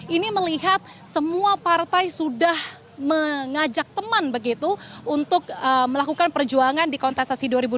ini melihat semua partai sudah mengajak teman begitu untuk melakukan perjuangan di kontestasi dua ribu dua puluh